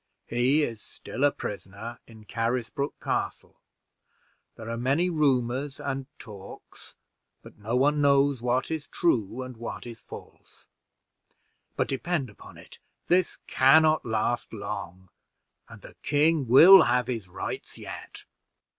"He is still a prisoner in Carisbrook Castle. There are many rumors and talks, but no one knows what is true and what is false; but depend upon it, this can not last long, and the king will have his rights yet."